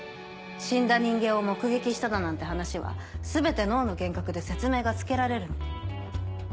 死んだ人間を目撃しただなんて話は全て脳の幻覚で説明がつけられるの。